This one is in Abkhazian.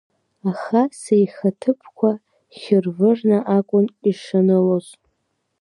Аха сеихаҭыԥқәа хьырвырны акәын ишанылоз.